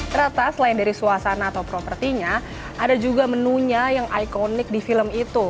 ternyata selain dari suasana atau propertinya ada juga menunya yang ikonik di film itu